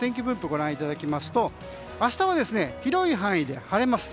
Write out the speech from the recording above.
ご覧いただきますと明日は広い範囲で晴れます。